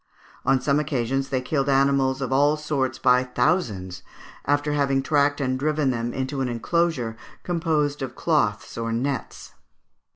On some occasions they killed animals of all sorts by thousands, after having tracked and driven them into an enclosure composed of cloths or nets.